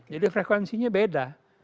jadi frekuensinya beda